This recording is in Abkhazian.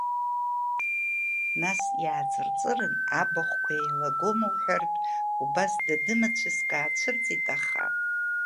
Нас иааҵырҵырын, абахәқәа еилагома уҳәартә убас дады-мацәыск аацәырҵит, аха…